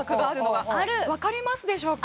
わかりますでしょうか